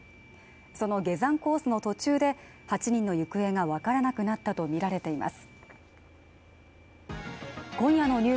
その下山コースの途中で８人の行方が分からなくなったとみられています